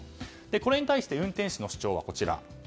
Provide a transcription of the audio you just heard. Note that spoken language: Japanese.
これに対し運転士の主張はこちら。